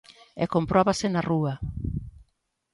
E compróbase na rúa.